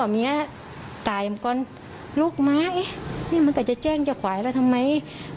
นี่มันก็จะแจ้งจะขวายแล้วทำไม